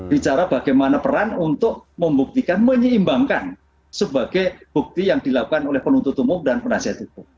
bicara bagaimana peran untuk membuktikan menyeimbangkan sebagai bukti yang dilakukan oleh penuntut umum dan penasihat hukum